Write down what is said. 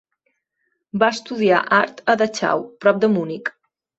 Va estudiar art a Dachau, prop de Munic.